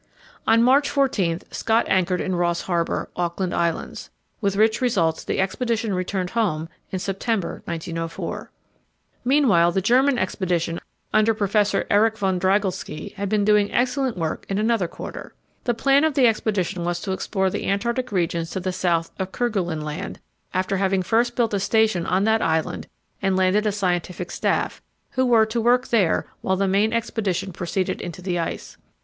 On March 14 Scott anchored in Ross Harbour, Auckland Islands. With rich results, the expedition returned home in September, 1904. Meanwhile the German expedition under Professor Erich von Drygalski had been doing excellent work in another quarter. The plan of the expedition was to explore the Antarctic regions to the south of Kerguelen Land, after having first built a station on that island and landed a scientific staff, who were to work there, while the main expedition proceeded into the ice.